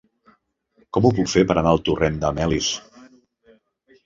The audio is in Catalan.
Com ho puc fer per anar al torrent de Melis?